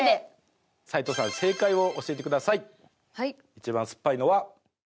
一番酸っぱいのは。